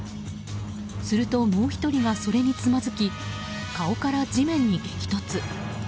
するともう１人がそれにつまずき顔から地面に激突。